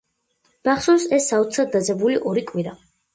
მახსოვს ეს საოცრად დაძაბული ორი კვირა.